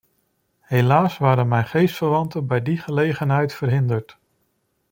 Helaas waren mijn geestverwanten bij die gelegenheid verhinderd.